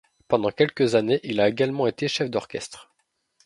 Pendant quelques années il a également été chef d'orchestre.